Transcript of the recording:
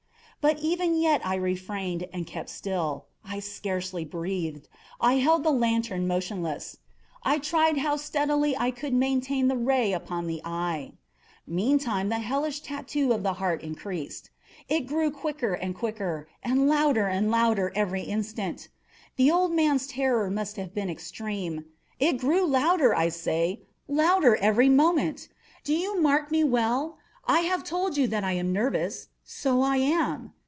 But even yet I refrained and kept still. I scarcely breathed. I held the lantern motionless. I tried how steadily I could maintain the ray upon the eve. Meantime the hellish tattoo of the heart increased. It grew quicker and quicker, and louder and louder every instant. The old man's terror must have been extreme! It grew louder, I say, louder every moment!—do you mark me well? I have told you that I am nervous: so I am.